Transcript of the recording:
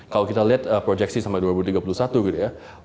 kalau kita lihat proyeksi sampai dua ribu tiga puluh satu gitu ya